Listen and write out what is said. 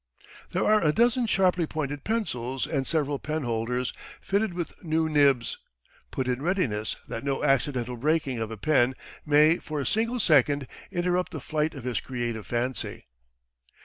There are a dozen sharply pointed pencils and several penholders fitted with new nibs, put in readiness that no accidental breaking of a pen may for a single second interrupt the flight of his creative fancy.